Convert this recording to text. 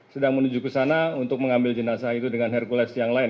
sedang menuju ke sana untuk mengambil jenazah itu dengan hercules yang lain